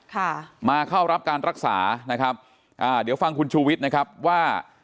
ค่ะมาเข้ารับการรักษานะครับอ่าเดี๋ยวฟังคุณชูวิทย์นะครับว่า